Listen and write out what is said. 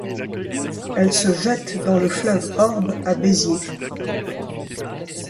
Elle se jette dans le fleuve Orb à Béziers.